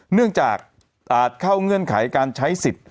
เนื่องจากอาจเข้าเงื่อนไขการใช้สิทธิ์